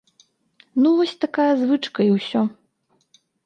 Ну вось такая звычка і ўсё.